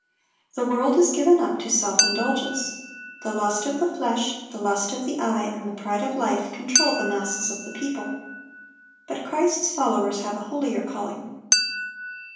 The world is given up to self indulgence. "The lust of the flesh, the lust of the eye, and the pride of life," control the masses of the people. But Christ's followers have a holier calling.